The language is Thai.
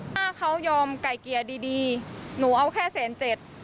ถ้าเขายอมไก่เกียร์ดีหนูเอาแค่๗๐๐๐บาท